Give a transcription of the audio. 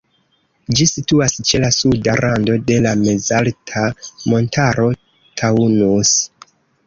Ĝi situas ĉe la suda rando de la mezalta montaro Taunus.